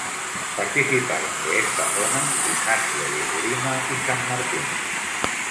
Participaron de esta zona Gimnasia y Esgrima y San Martín.